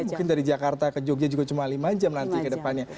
mungkin dari jakarta ke jogja juga cuma lima jam nanti ke depannya